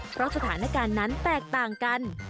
เพราะสถานการณ์นั้นแตกต่างกัน